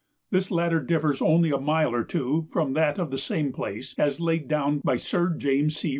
This latter differs only a mile or two from that of the same place as laid down by Sir James C.